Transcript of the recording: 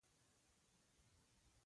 هېڅ څوک يې نه شي لاندې کولی.